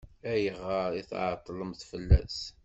Ayɣer i tɛeṭṭlemt fell-as?